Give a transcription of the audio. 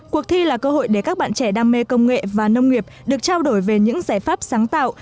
cuộc thi là cơ hội để các bạn trẻ đam mê công nghệ và nông nghiệp được trao đổi về những giải pháp sáng tạo